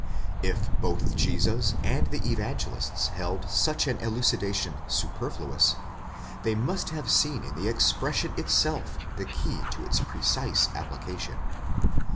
If both Jesus and the Evangelists held such an elucidation superfluous, they must have seen in the expression itself the key to its precise application.